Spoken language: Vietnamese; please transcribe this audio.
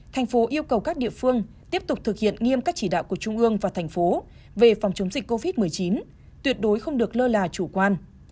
thành phố yêu cầu các địa phương tiếp tục thực hiện nghiêm các chỉ đạo của trung ương và thành phố về phòng chống dịch covid một mươi chín tuyệt đối không được lơ là chủ quan